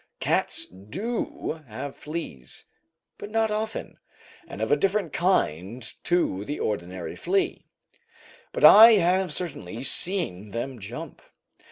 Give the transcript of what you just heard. Cats do have fleas, but not often, and of a different kind to the ordinary flea; but I have certainly seen them jump.